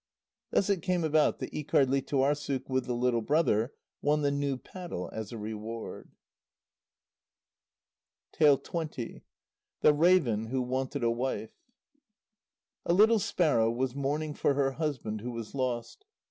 Thus it came about that Íkardlítuarssuk with the little brother won the new paddle as a reward. THE RAVEN WHO WANTED A WIFE A little sparrow was mourning for her husband who was lost.